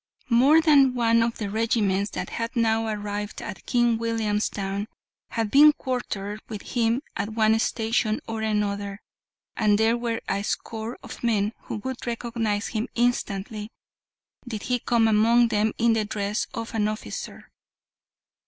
More than one of the regiments that had now arrived at King Williamstown had been quartered with him at one station or another, and there were a score of men who would recognise him instantly did he come among them in the dress of an officer.